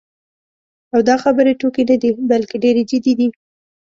او دا خبرې ټوکې نه دي، بلکې ډېرې جدي دي.